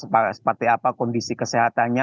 seperti apa kondisi kesehatannya